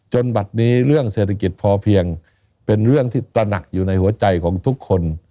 บัดนี้เรื่องเศรษฐกิจพอเพียงเป็นเรื่องที่ตระหนักอยู่ในหัวใจของทุกคน